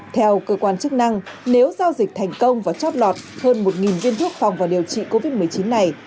theo cơ quan chức năng nếu giao dịch thành công và chót lọt hơn một viên thuốc phòng vào điều trị covid một mươi chín này